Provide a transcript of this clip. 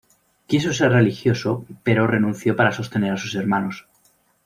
Quiso ser religioso, pero renunció para sostener a sus hermanos.